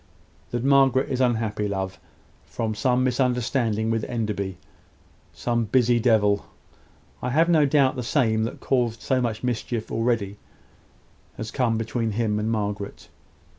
"That Margaret is unhappy, love, from some misunderstanding with Enderby. Some busy devil I have no doubt the same that has caused so much mischief already has come between him and Margaret."